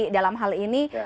dalam hal ini